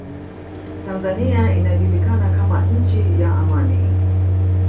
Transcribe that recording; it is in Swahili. tanzania inajulikana kama nchi ya amani